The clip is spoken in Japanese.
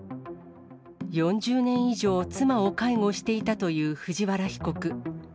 ４０年以上妻を介護していたという藤原被告。